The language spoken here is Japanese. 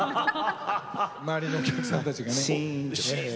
周りのお客さんたちがね。シーン。